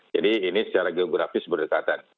jadi ini secara geografis berdekatan